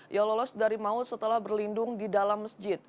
ia lolos dari maut setelah berlindung di dalam masjid